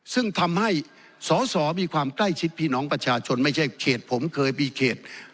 ซึ่งทำให้สอสอมีความใกล้ชิดพี่น้องประชาชนไม่ใช่เขตผมเคยมีเขต